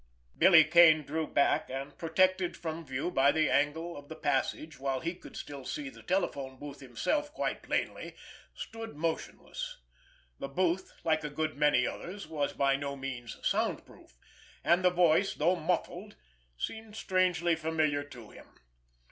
Billy Kane drew back, and protected from view by the angle of the passage while he could still see the telephone booth himself quite plainly, stood motionless. The booth, like a good many others, was by no means sound proof, and the voice, though muffled seemed strangely familiar to him.